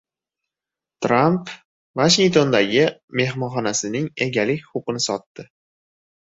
Tramp Vashingtondagi mehmonxonasining egalik huquqini sotdi